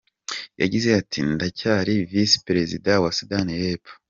Yagize ati “ Ndacyari Visi Perezida wa Sudani y’Epfo.